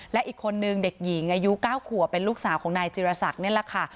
และอีกคนนึงเด็กหญิงอายุ๙ขัวเป็นลูกสาวของนายจิรษักนี่แหละค่ะ